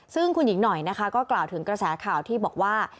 ซึ่งคุณหญิงหน่อยนะคะก็กล่าวถึงกระแสข่าวที่บอกว่า